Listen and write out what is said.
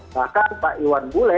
bahkan pak iwan bule